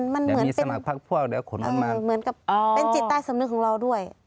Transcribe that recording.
มันเหมือนเป็นจิตใต้สำนึกของเราด้วย